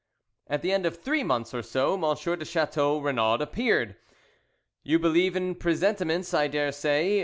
"At the end of three months or so M. de Chateau Renaud appeared. "You believe in presentiments, I daresay.